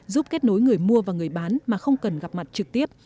giúp kết nối người mua và người bán mà không cần gặp mặt trực tiếp